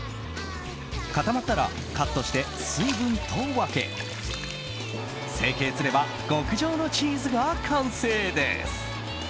固まったらカットして水分と分け成形すれば極上のチーズが完成です。